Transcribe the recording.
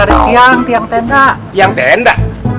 ini tiang tenda